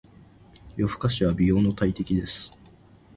夜更かしは美容の大敵です。